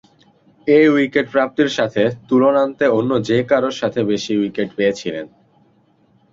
এ wicket প্রাপ্তির সাথে তুলনান্তে অন্য যে-কারোর সাথে বেশি উইকেট পেয়েছিলেন।